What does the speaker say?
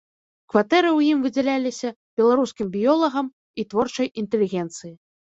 Кватэры ў ім выдзяліся беларускім біёлагам і творчай інтэлігенцыі.